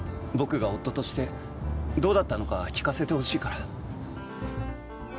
僕が夫としてどうだったのか聞かせてほしいから。